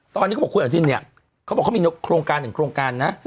ตอนนี้เขาบอกคุณอนุทินเนี่ยเขาบอกเขามีโครงการหนึ่งโครงการนะ